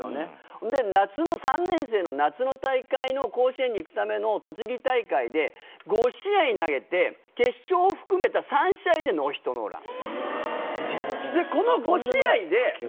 それで３年生の夏の大会の甲子園に行くための栃木大会で５試合投げて決勝を含めた３試合でノーヒットノーラン。